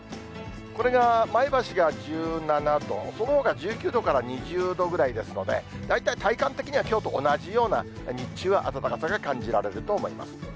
これが前橋が１７度、そのほか１９度から２０度ぐらいですので、大体体感的にはきょうと同じような、日中は暖かさが感じられると思います。